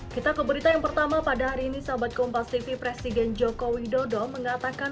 kita ke berita yang pertama pada hari ini sahabat kompas tv presiden joko widodo mengatakan